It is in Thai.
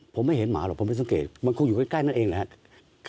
ผมไม่เห็นหมาหรอกผมไม่สังเกตมันคงอยู่ใกล้นั่นเองนะครับ